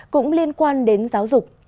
cũng liên quan đến giáo dục